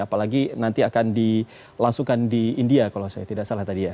apalagi nanti akan dilangsungkan di india kalau saya tidak salah tadi ya